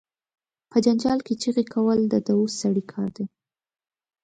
په جنجال کې چغې کول، د دووث سړی کار دي.